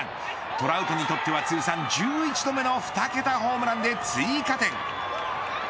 トラウトにとっては通算１１度目の２桁ホームランで追加点。